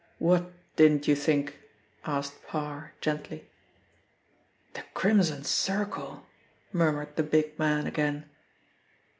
"What didn't you think?" asked Parr gently. "The Crimson Circle," murmured the big man again.